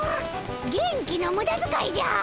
元気のムダづかいじゃ！